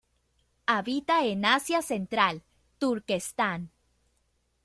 Habita en Asia Central; Turquestán.